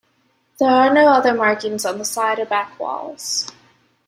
There are no other markings on the side or back walls.